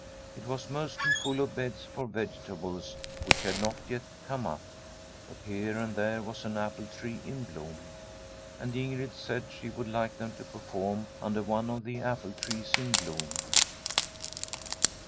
It was mostly full of beds for vegetables which had not yet come up, but here and there was an apple tree in bloom. And Ingrid said she would like them to perform under one of the apple trees in bloom.